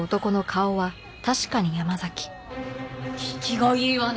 引きがいいわね。